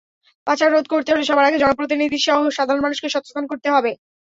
পাচার রোধ করতে হলে সবার আগে জনপ্রতিনিধিসহ সাধারণ মানুষকে সচেতন হতে হবে।